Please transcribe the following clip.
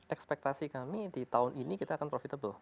ekspektasi kami di tahun ini kita akan profitable